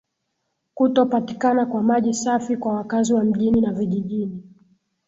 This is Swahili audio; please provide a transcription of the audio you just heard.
Kutopatikana kwa maji safi kwa wakazi wa mjini na vijijini